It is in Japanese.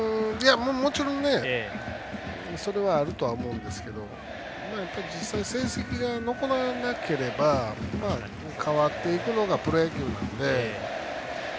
もちろんねそれはあると思うんですけど実際、成績が残らなければ変わっていくのがプロ野球なので。